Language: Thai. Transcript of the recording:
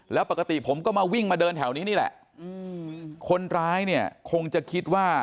แล้วปกติผมก็มาวิ่งมาเดินแถวนี้นี่แหละอืมคนร้ายเนี่ยคงจะคิดว่า